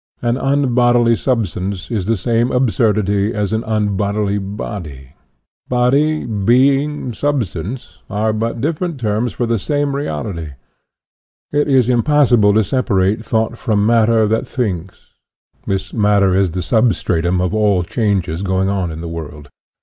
An unbodily substance is the same ab surdity as an unbodily body. Body, being, sub stance, are but different terms for the same l6 INTRODUCTION reality. It is impossible to separate thought from matter that thinks. This matter is the substratum of all changes going on in the world.